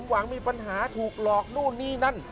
หวังมีปัญหาถูกหลอกนู่นนี่นั่น